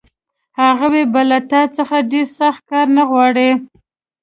هغوی به له تا څخه ډېر سخت کار نه غواړي